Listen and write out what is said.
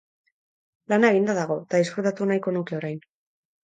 Lana eginda dago, eta disfrutatu nahiko nuke orain.